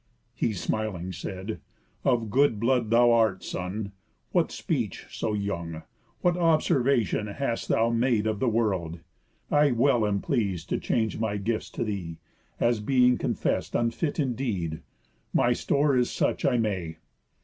He, smiling, said: "Of good blood art thou, son. What speech, so young! What observatión Hast thou made of the world! I well am pleas'd To change my gifts to thee, as being confess'd Unfit indeed, my store is such I may.